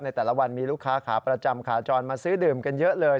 แต่ละวันมีลูกค้าขาประจำขาจรมาซื้อดื่มกันเยอะเลย